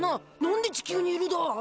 何で地球にいるだ？